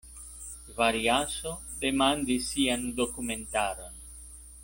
Variaso demandis sian dokumentaron.